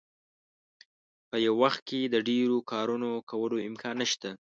په یو وخت کې د ډیرو کارونو کولو امکان نشته.